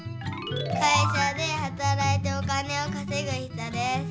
会社ではたらいてお金をかせぐ人です。